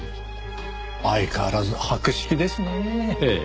相変わらず博識ですねえ。